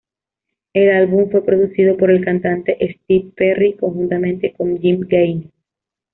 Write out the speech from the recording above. El álbum fue producido por el cantante Steve Perry conjuntamente con Jim Gaines.